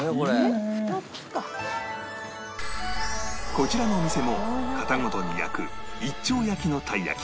こちらのお店も型ごとに焼く一丁焼きのたい焼き